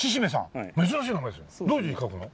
どういう字書くの？